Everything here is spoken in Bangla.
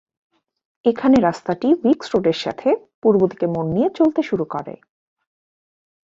এখানে রাস্তাটি উইকস রোডের সাথে পূর্বদিকে মোড় নিয়ে চলতে শুরু করে।